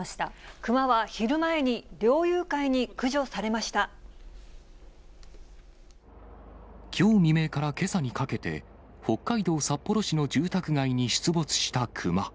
クマは昼前に猟友会に駆除さきょう未明からけさにかけて、北海道札幌市の住宅街に出没したクマ。